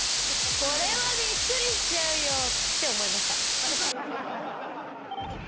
これはびっくりしちゃうよって思いました。